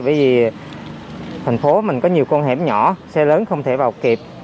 bởi vì thành phố mình có nhiều con hẻm nhỏ xe lớn không thể vào kịp